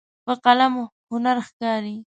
په قلم هنر ښکاري.